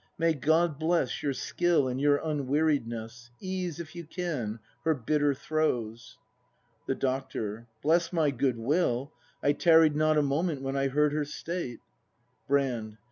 May God bless Your skill and your unweariedness! Ease, if you can, her bitter throes. The Doctor. Bless my goodwill! I tarried not A moment when I heard her state. Brand.